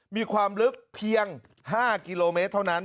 มีความลึกเพียง๕กิโลเมตรเท่านั้น